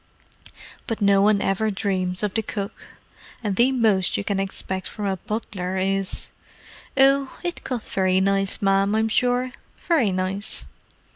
But no one ever dreams of the cook; and the most you can expect from a butler is, 'Oh, it cut very nice, ma'am, I'm sure. Very nice!